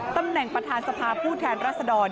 ตำแหน่งประธานสภาผู้แทนรัศดร